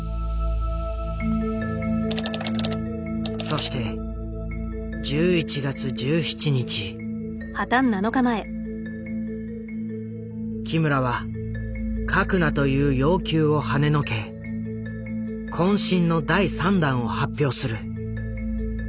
そして木村は書くなという要求をはねのけ渾身の第３弾を発表する。